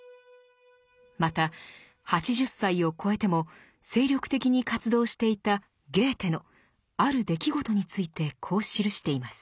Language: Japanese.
また８０歳をこえても精力的に活動していたゲーテのある出来事についてこう記しています。